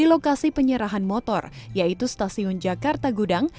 pembelian tiket dan penyerahan motor yaitu stasiun jakarta gudang